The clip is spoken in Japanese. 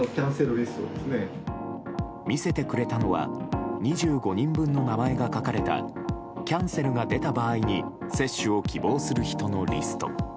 見せてくれたのは２５人分の名前が書かれたキャンセルが出た場合に接種を希望する人のリスト。